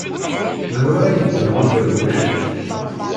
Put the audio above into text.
D anwa ara yeddun d uderwic?